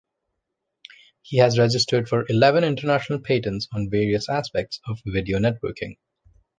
He has registered for eleven international patents on various aspects of video networking.